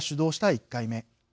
１回目。